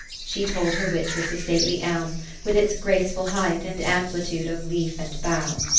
She told her which was the stately elm, with its grace ful height, and amplitude of leaf and bough.